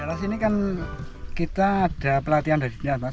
di sini kan kita ada pelatihan dari dinas mas